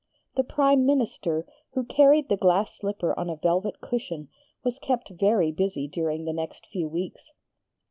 The Prime Minister, who carried the glass slipper on a velvet cushion, was kept very busy during the next few weeks.